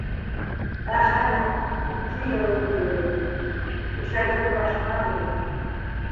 Ә хәҙер... ике йыл инде... түшәгебеҙ башҡа беҙҙең.